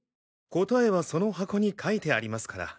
答えはその箱に書いてありますから。